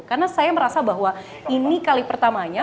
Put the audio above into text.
karena saya merasa bahwa ini kali pertamanya